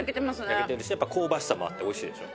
焼けてるしねやっぱ香ばしさもあって美味しいでしょ？